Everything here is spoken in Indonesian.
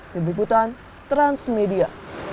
di bukutan transmedia